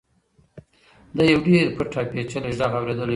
ده یو ډېر پټ او پېچلی غږ اورېدلی و.